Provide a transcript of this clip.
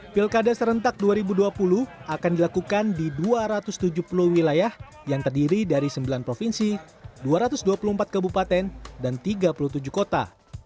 pilkada serentak dua ribu dua puluh akan dilakukan di dua ratus tujuh puluh wilayah yang terdiri dari sembilan provinsi dua ratus dua puluh empat kabupaten dan tiga puluh tujuh kota